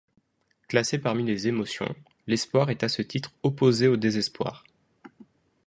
Classé parmi les émotions, l'espoir est à ce titre opposé au désespoir.